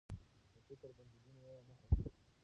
د فکر بنديزونه يې نه خوښول.